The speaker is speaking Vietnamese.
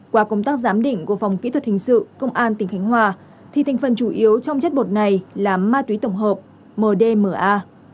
qua công tác giám định của phòng kỹ thuật hình sự công an tỉnh khánh hòa thì thành phần chủ yếu trong chất bột này là ma túy tổng hợp mdma